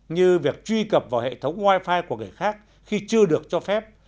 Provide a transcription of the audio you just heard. như việc truy cập vào hệ thống wifi của người khác khi chưa được cho phép